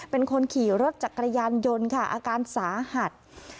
เป็นคนขี่รถจักรยานยนต์ค่ะอาการสาหัส